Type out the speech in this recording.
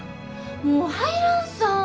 もう入らんさー。